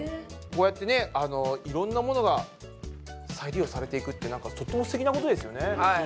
こうやってねいろんなものが再利用されていくってなんかとってもすてきなことですよね。